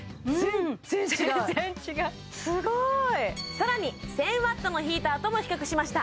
さらに１０００Ｗのヒーターとも比較しました